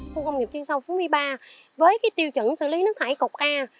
khu công nghiệp chuyên sâu phú mỹ ba với tiêu chuẩn xử lý nước thải cục a